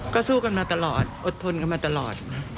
ก็สู้กันมาตลอดอดทนกันมาตลอด